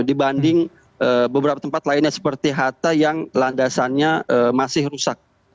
dibanding beberapa tempat lainnya seperti hatta yang landasannya masih rusak